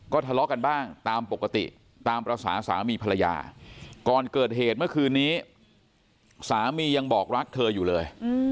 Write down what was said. ทะเลาะกันบ้างตามปกติตามภาษาสามีภรรยาก่อนเกิดเหตุเมื่อคืนนี้สามียังบอกรักเธออยู่เลย